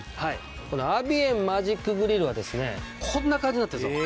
このアビエンマジックグリルはこんな感じになってるんですよ。